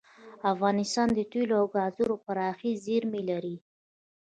افغانستان د تیلو او ګازو پراخې زیرمې لري.